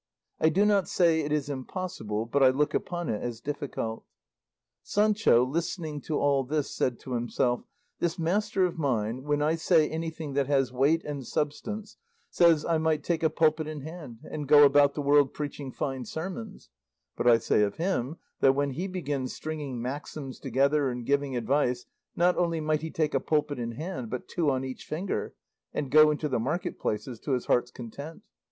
I do not say it is impossible, but I look upon it as difficult." Sancho, listening to all this, said to himself, "This master of mine, when I say anything that has weight and substance, says I might take a pulpit in hand, and go about the world preaching fine sermons; but I say of him that, when he begins stringing maxims together and giving advice not only might he take a pulpit in hand, but two on each finger, and go into the market places to his heart's content.